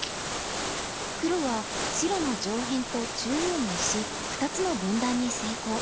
黒は白の上辺と中央の石２つの分断に成功。